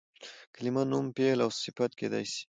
کلیمه نوم، فعل او صفت کېدای سي.